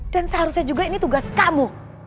dan seharusnya juga ini tugas kamu